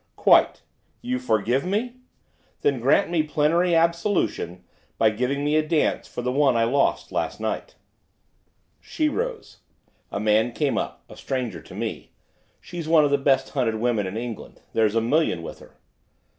'Quite. You forgive me? Then grant me plenary absolution by giving me a dance for the one I lost last night.' She rose. A man came up, a stranger to me; she's one of the best hunted women in England, there's a million with her.